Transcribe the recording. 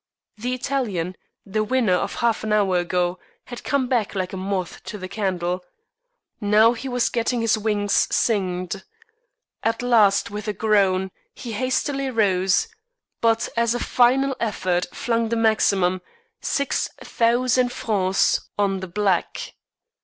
The Italian, the winner of half an hour ago, had come back like a moth to the candle. Now he was getting his wings singed. At last, with a groan, he hastily rose, but as a final effort flung the maximum, six thousand francs, on the black.